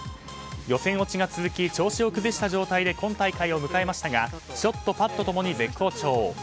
予選落ちが続き調子を崩した状態で今大会を迎えましたがショット、パット共に絶好調。